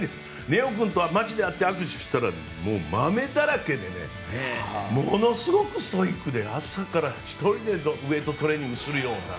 根尾君とは街で会って握手したらマメだらけでものすごくストイックで朝から１人でウェートトレーニングするような。